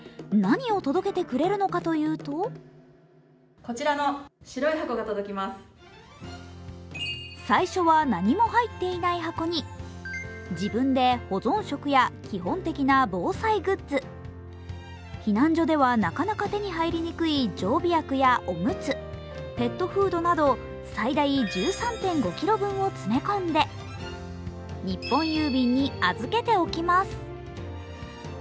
何を届けてくれるのかというと最初は何も入っていない箱に自分で保存食や基本的な防災グッズ避難所ではなかなか手に入りにくい常備薬やおむつ、ペットフードなど、最大１３．５ｋｇ分を詰め込んで日本郵便に預けておきます。